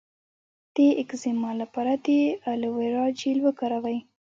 د اکزیما لپاره د ایلوویرا جیل وکاروئ